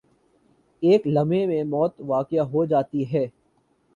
ایک لمحے میں موت واقع ہو جاتی ہے۔